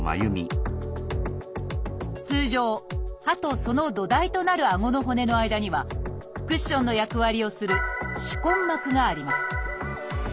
通常歯とその土台となるあごの骨の間にはクッションの役割をする「歯根膜」があります。